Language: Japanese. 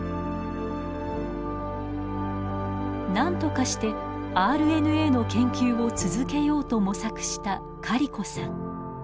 何とかしてＲＮＡの研究を続けようと模索したカリコさん。